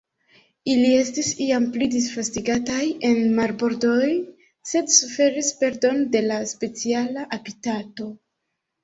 Ili estis iam pli disvastigataj en marbordoj, sed suferis perdon de la speciala habitato.